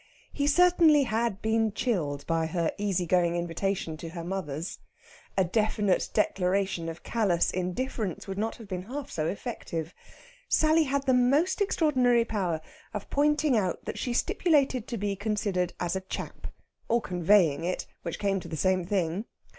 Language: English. He certainly had been chilled by her easy going invitation to her mother's. A definite declaration of callous indifference would not have been half so effective. Sally had the most extraordinary power of pointing out that she stipulated to be considered as a chap; or conveying it, which came to the same thing.